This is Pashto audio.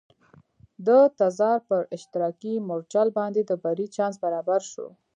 د تزار پر اشتراکي مورچل باندې د بري چانس برابر شو.